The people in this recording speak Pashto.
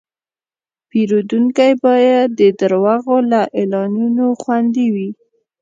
پیرودونکی باید د دروغو له اعلانونو خوندي وي.